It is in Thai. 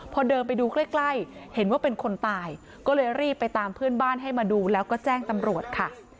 พื้นบ้านให้มาดูแล้วก็แจ้งตำรวจค่ะ